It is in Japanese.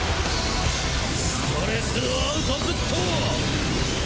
ストレスアウトプット。